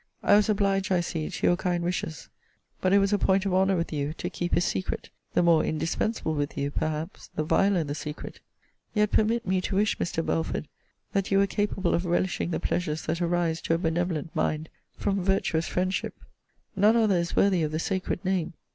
I was obliged, I see, to your kind wishes but it was a point of honour with you to keep his secret; the more indispensable with you, perhaps, the viler the secret. Yet permit me to wish, Mr. Belford, that you were capable of relishing the pleasures that arise to a benevolent mind from VIRTUOUS friendship! none other is worthy of the sacred name.